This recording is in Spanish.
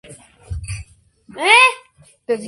Ambas cuentan con una amplia tradición literaria y cultural.